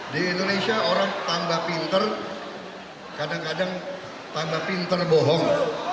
di indonesia orang tambah pinter kadang kadang tambah pinter bohong